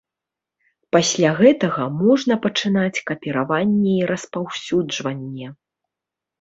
Пасля гэтага можна пачынаць капіраванне і распаўсюджванне.